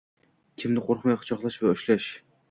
kimni qo‘rqmay quchoqlash va ushlash